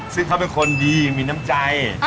ซึ่งเขาเป็นคนดีมีน้ำใจ